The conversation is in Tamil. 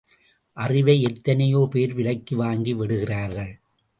அறிவை எத்தனையோ பேர் விலைக்கு வாங்கி விடுகிறார்கள்.